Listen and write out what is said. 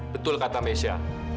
betul kata mesya